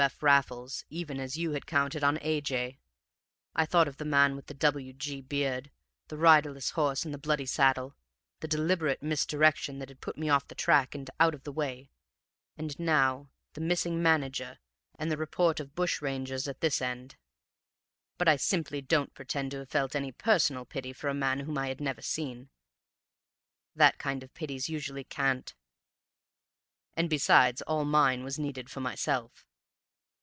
F. Raffles even as you counted on A. J. I thought of the man with the W. G. beard the riderless horse and the bloody saddle the deliberate misdirection that had put me off the track and out of the way and now the missing manager and the report of bushrangers at this end. But I simply don't pretend to have felt any personal pity for a man whom I had never seen; that kind of pity's usually cant; and besides, all mine was needed for myself.